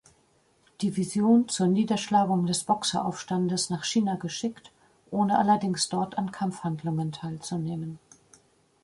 Division zur Niederschlagung des Boxeraufstandes nach China geschickt, ohne allerdings dort an Kampfhandlungen teilzunehmen.